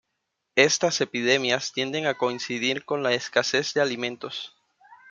Estas epidemias tienden a coincidir con la escasez de alimentos.